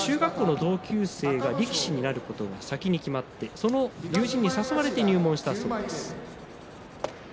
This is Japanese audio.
中学校の同級生が力士になることが先に決まってその友人に誘われて入門したそうです。